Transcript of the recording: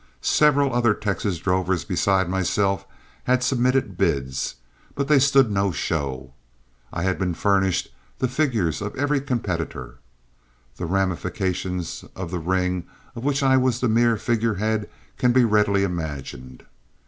Several other Texas drovers besides myself had submitted bids; but they stood no show I had been furnished the figures of every competitor. The ramifications of the ring of which I was the mere figure head can be readily imagined.